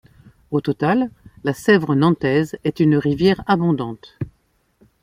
Au total, la Sèvre Nantaise est une rivière abondante.